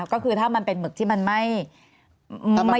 ก็คือถ้ามันเป็นหมึกที่มันไม่